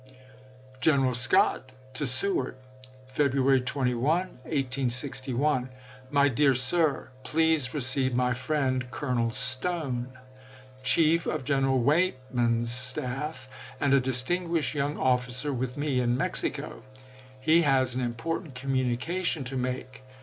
ms. [General Scott to Seward.] February 21, 1861. My Dear Sir : Please receive my friend, Colonel Stone, chief of General Weightman's staff, and a distinguished young officer with me in Mexico. He has an important communication to make.